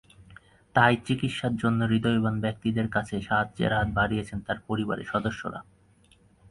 তাই চিকিৎসার জন্য হূদয়বান ব্যক্তিদের কাছে সাহায্যের হাত বাড়িয়েছেন তাঁর পরিবারের সদস্যরা।